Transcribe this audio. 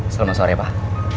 selamat sore pak